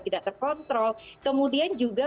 tidak terkontrol kemudian juga